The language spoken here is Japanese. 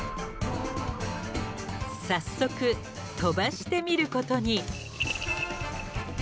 早速飛ばしてみることに。